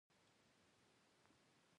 د ځیرک موبایل کارول ډېر شوي